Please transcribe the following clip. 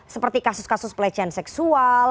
seperti kasus kasus pelecehan seksual